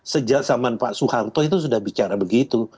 sejak saman pak suharto itu sudah bicara begitu